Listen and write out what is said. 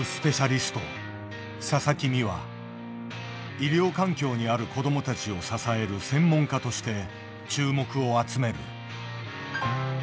医療環境にある子どもたちを支える専門家として注目を集める。